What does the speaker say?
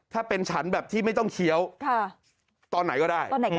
ถ้าเป็นฉันแบบที่ไม่ต้องเคี้ยวตอนไหนก็ได้